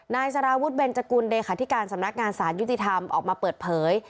สารวุฒิเบนจกุลเลขาธิการสำนักงานสารยุติธรรมออกมาเปิดเผย